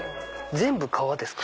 全部革ですか？